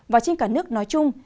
và trên cả nước nói chung